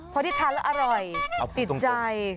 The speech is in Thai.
พอที่ทานแล้วอร่อยติดใจ